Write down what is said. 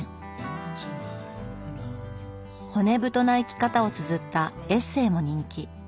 骨太な生き方をつづったエッセーも人気。